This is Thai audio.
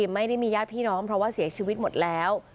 ไม่ได้มีญาติพี่น้องเพราะว่าเสียชีวิตหมดแล้ว